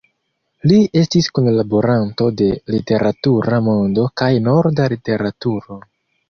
Li estis kunlaboranto de "Literatura Mondo" kaj "Norda Literaturo.